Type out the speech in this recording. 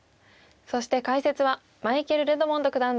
そして解説はマイケルレドモンド九段です。